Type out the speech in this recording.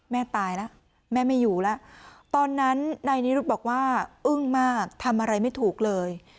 ตายแล้วแม่ไม่อยู่แล้วตอนนั้นนายนิรุธบอกว่าอึ้งมากทำอะไรไม่ถูกเลย